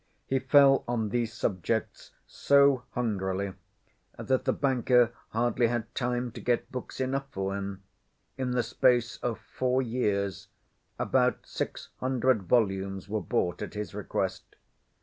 He fell on these subjects so hungrily that the banker hardly had time to get books enough for him. In the space of four years about six hundred volumes were bought at his request.